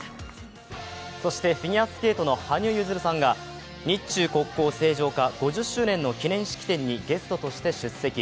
そしてフィギュアスケートの羽生結弦さんが日中国交正常化５０周年の記念式典にゲストとして出席。